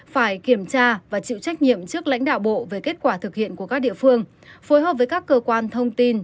phải kiểm tra và chịu trách nhiệm trước lãnh đạo bộ về kết quả thực hiện của các địa phương phối hợp với các cơ quan thông tin